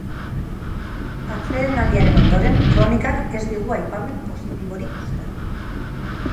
Atsedenaldiaren ondoren, kronikak ez digu aipamen positiborik uzten.